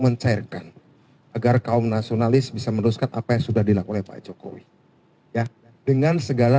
mencegah dan agar kaum nasionalis bisa mendos knkp sudah dilakuin pak cokowi ya dengan segala